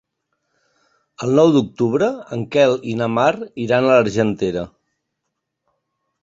El nou d'octubre en Quel i na Mar iran a l'Argentera.